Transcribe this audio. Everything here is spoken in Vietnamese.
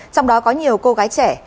trong đó có nhiều cô gái trẻ